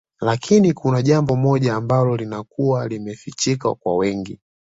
Lakini kuna jambo moja ambalo linakuwa limefichika kwa wengi